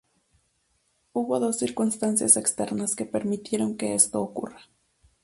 Hubo dos circunstancias externas que permitieron que esto ocurra.